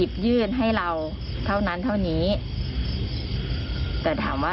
ถึงขนาดขั้นคือแบบว่า